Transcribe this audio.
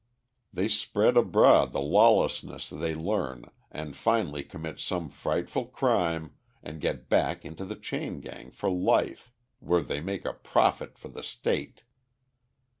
They spread abroad the lawlessness they learn and finally commit some frightful crime and get back into the chain gang for life where they make a profit for the state!